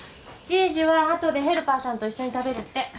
じいじは後でヘルパーさんと一緒に食べるって。